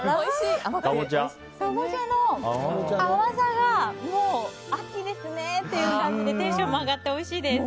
カボチャの甘さがもう、秋ですねという感じでテンションも上がっておいしいです。